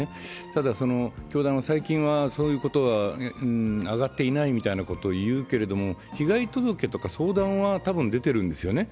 ただ、教団は最近はそういうことは上がっていないみたいなことを言うけれども、被害届とか相談は、多分出ているんですよね。